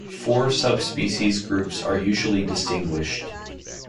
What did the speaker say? Four subspecies groups are usually distinguished.